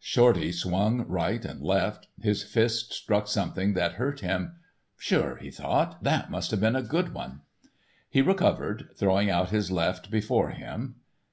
Shorty swung right and left, his fist struck something that hurt him. Sure, he thought, that must have been a good one. He recovered, throwing out his left before him.